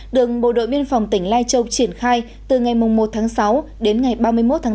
được bộ đội biên phòng tỉnh lai châu triển khai từ ngày một tháng sáu đến ngày ba mươi một tháng tám